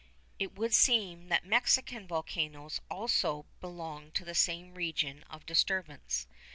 It would seem that the Mexican volcanoes also belong to the same region of disturbance.